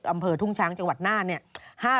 อำเภอทุ่งช้างจังหวัดหน้า